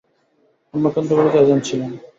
অন্য কেন্দ্রগুলোতে এজেন্ট ছিলেন।